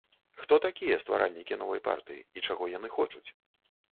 Хто такія стваральнікі новай партыі, і чаго яны хочуць?